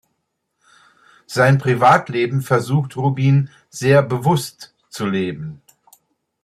Sein Privatleben versucht Rubin sehr bewusst zu leben.